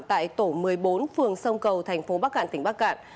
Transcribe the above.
tại tổ một mươi bốn phường sông cầu tp bắc cạn tp bắc cạn